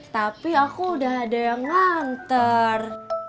tapi aku udah ada yang nganter